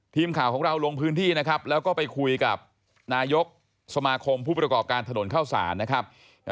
ทีมข่าวของเราลงพื้นที่นะครับแล้วก็ไปคุยกับนายกสมาคมผู้ประกอบการถนนเข้าสารนะครับ